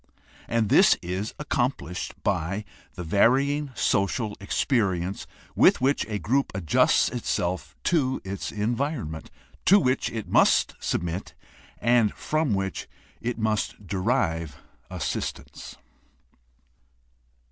And this is accomplished by the varying social experience with which a group adjusts itself to its environment, to which it must submit, and from which it must derive assistance.